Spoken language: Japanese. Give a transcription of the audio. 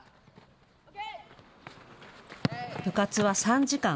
部活は３時間。